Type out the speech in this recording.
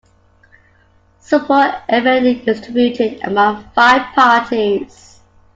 Support evenly distributed among five parties.